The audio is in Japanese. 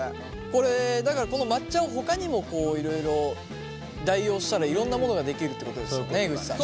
これだからこの抹茶をほかにもいろいろ代用したらいろんなものができるってことですよね江口さん。